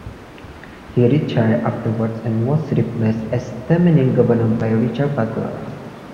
He retired afterwards and was replaced as Tasmanian governor by Richard Butler.